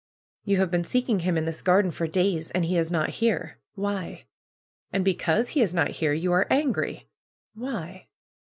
You have been seeking him in this garden for days, and he is not here. Why? And because he is not here, you are angry. Why